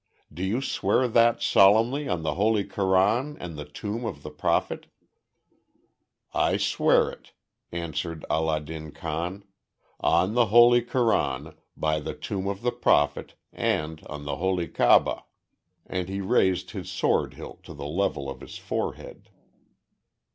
Do you swear that solemnly on the holy Koran and the tomb of the Prophet?" "I swear it," answered Allah din Khan, "on the holy Koran, by the tomb of the Prophet, and on the holy Kaba." And he raised his sword hilt to the level of his forehead.